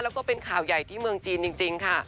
แล้วก็เป็นข่าวใหญ่ที่เมืองจีนจริงค่ะ